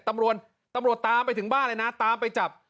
ตำรวจตำรวจตามไปถึงบ้านเลยนะตามไปจับ